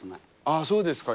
あそうですか。